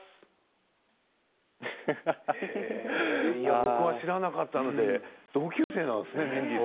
僕は知らなかったので同級生だったんですね。